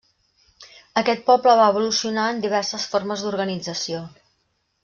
Aquest poble va evolucionar en diverses formes d'organització.